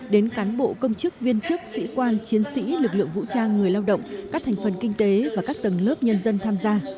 đến cán bộ công chức viên chức sĩ quan chiến sĩ lực lượng vũ trang người lao động các thành phần kinh tế và các tầng lớp nhân dân tham gia